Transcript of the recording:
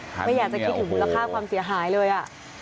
ไม่อยากจะคิดถึงมูลค่าความเสียหายเลย